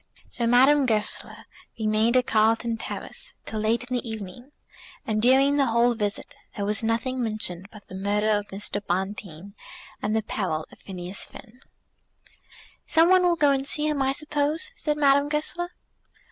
So Madame Goesler remained at Carlton Terrace till late in the evening, and during the whole visit there was nothing mentioned but the murder of Mr. Bonteen and the peril of Phineas Finn. "Some one will go and see him, I suppose," said Madame Goesler.